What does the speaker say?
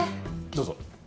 どうぞ。